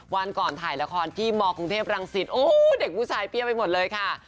วันก่อนถ่ายละครที่มกรุงเทพรังสิตโอ้เด็กผู้ชายเปรี้ยไปหมดเลยค่ะ